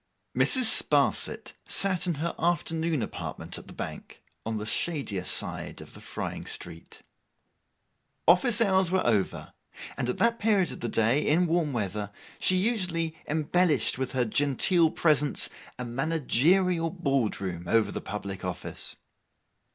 Mrs. Sparsit sat in her afternoon apartment at the Bank, on the shadier side of the frying street. Office hours were over: and at that period of the day, in warm weather, she usually embellished with her genteel presence, a managerial board room over the public office.